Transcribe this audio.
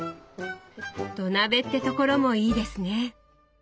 土鍋ってところもいいですね。